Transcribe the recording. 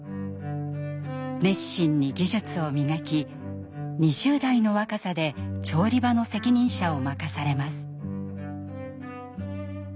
熱心に技術を磨き２０代の若さで調理場の責任者を任されます。